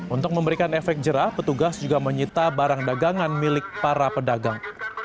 untuk memberikan efek jerah petugas juga menyita barang dagangan milik para pedagang